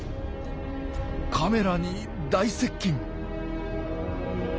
カメラに大接近。